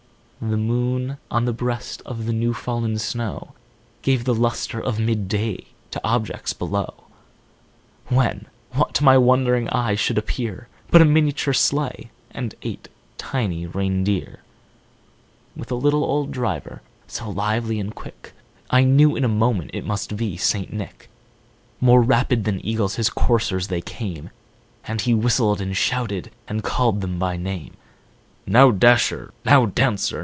he moon on the breast of the new fallen snow Gave the lustre of mid day to objects below, When, what to my wondering eyes should appear, But a miniature sleigh, and eight tiny reindeer, ith a little old driver, so lively and quick, I knew in a moment it must be St. Nick. More rapid than eagles his coursers they came, And he whistled, and shouted, and called them by name: ow, Dasher! now, Dancer!